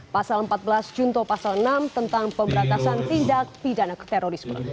pasal empat belas junto pasal enam tentang pemberantasan tindak pidana terorisme